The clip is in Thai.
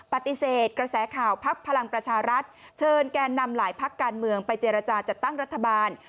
ปฏิเสธกระแสข่าวพักพลังประชารัฐเชิญแก่นำหลายพักการเมืองไปเจรจาจัดตั้งรัฐบาล